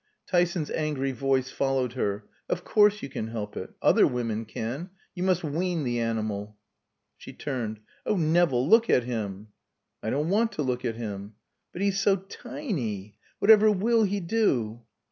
Tyson's angry voice followed her. "Of course you can help it. Other women can. You must wean the animal." She turned. "Oh, Nevill, look at him " "I don't want to look at him." "But he's so ti i ny. Whatever will he do?"